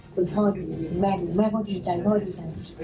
คุณพ่อดูแม่ดูแม่พ่อดีใจพ่อดีใจ